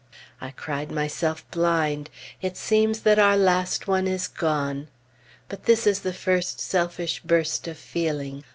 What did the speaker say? I cried myself blind. It seems that our last one is gone. But this is the first selfish burst of feeling.